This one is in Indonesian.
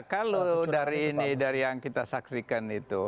kalau dari ini dari yang kita saksikan itu